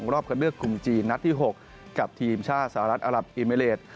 รอบคันเลือกกลุ่มจีนนัดที่๖กับทีมชาติสหรัฐอลับอิมิเลส